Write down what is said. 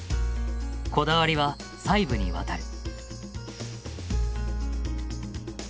こだわりは細部にわたる。